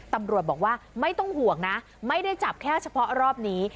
ตำรวจบอกว่าไม่ต้องห่วงนะไม่ได้จับแค่เฉพาะรอบนี้